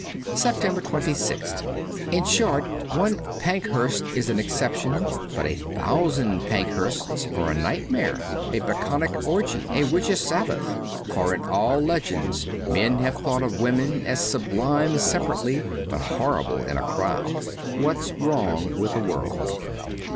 293 SEPTEMBER 26th IN short, one Pankhurst is an exception, but a thousand Pankhursts are a nightmare, a Bacchic orgy, a witch's sabbath. For in all legends men have thought of women as sub lime separately, but horrible in a crowd. ' What's Wrong with the World.'